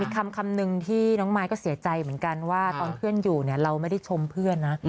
คำนึงที่น้องมายก็เสียใจเหมือนกันว่าตอนเพื่อนอยู่เนี่ยเราไม่ได้ชมเพื่อนนะ